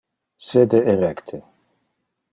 Sede erecte.